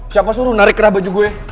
siapa suruh narik kerah baju gue